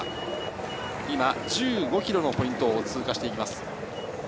今、１５ｋｍのポイントを通過しています。